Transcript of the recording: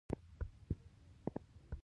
دا ودانۍ یو ډول هرم ته ورته جوړښت درلود.